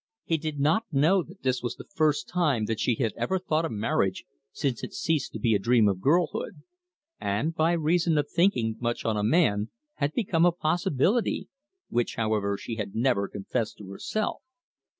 He did not know that this was the first time that she had ever thought of marriage since it ceased to be a dream of girlhood, and, by reason of thinking much on a man, had become a possibility, which, however, she had never confessed to herself.